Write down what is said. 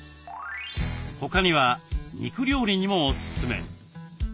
他には肉料理にもおすすめ。